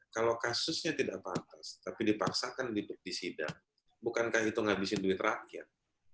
kalau kasusnya tidak pantas tapi dipaksakan di sidang bukankah itu menghabiskan duit rakyat